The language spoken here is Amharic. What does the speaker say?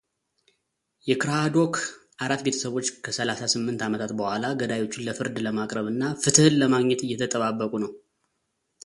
የክራዶክ አራት ቤተሰቦች ከሰላሳ ስምንት ዓመታት በኋላ ገዳዮቹን ለፍርድ ለማቅረብ እና ፍትሕን ለማግኘት እየተጠባበቁ ነው።